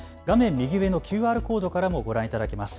右上のＱＲコードからもご覧いただけます。